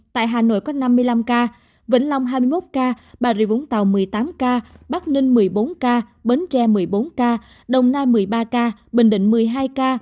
tại hà nội có năm mươi năm ca vĩnh long hai mươi một ca bà rịa vũng tàu một mươi tám ca bắc ninh một mươi bốn ca bến tre một mươi bốn ca đồng nai một mươi ba ca bình định một mươi hai ca